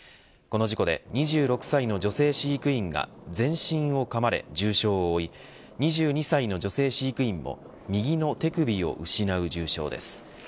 この事故で２６歳の女性飼育員が全身をかまれ重傷を負い２２歳の女性飼育員も右の手首を失う重傷です。